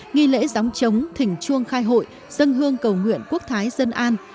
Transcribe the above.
nghi lễ gióng trống thỉnh chuông khai hội dân hương cầu nguyện quốc thái dân an